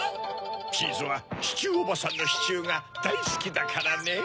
チーズはシチューおばさんのシチューがだいすきだからねぇ。